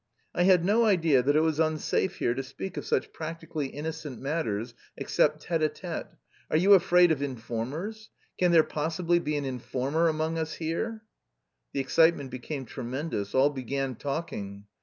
"I had no idea that it was unsafe here to speak of such practically innocent matters except tête à tête. Are you afraid of informers? Can there possibly be an informer among us here?" The excitement became tremendous; all began talking.